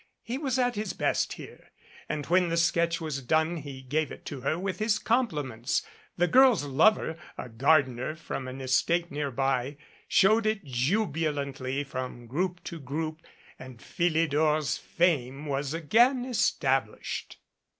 He was at his best here, and when the sketch was done he gave it to her with his compliments. The girl's lover, a gardener from an estate nearby, showed it jubilantly from group to group, And Philidor's fame was again established.